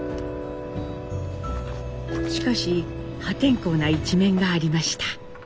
しかし破天荒な一面がありました。